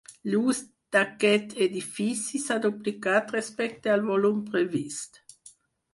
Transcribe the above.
L'ús d'aquest edifici s'ha duplicat respecte al volum previst.